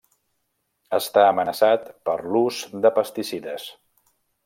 Està amenaçat per l'ús de pesticides.